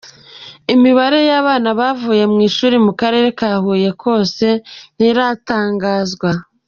Imibare y’abana bavuye mu ishuri mu Karere ka Huye kose ntiratangazwa.